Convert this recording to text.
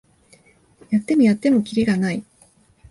やってもやってもキリがない